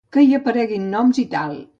Que hi apareguin noms i tal.